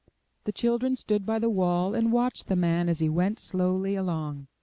The children stood by the wall and watched the man as he went slowly along.